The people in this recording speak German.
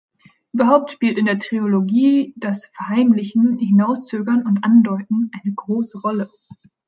Überhaupt spielt in der Trilogie das Verheimlichen, Hinauszögern und Andeuten eine große Rolle.